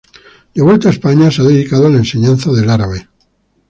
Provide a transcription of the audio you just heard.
De vuelta a España, se ha dedicado a la enseñanza del árabe.